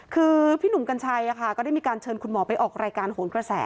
คือพี่หนุ่มกัญชัยก็ได้มีการเชิญคุณหมอไปออกรายการโหนกระแส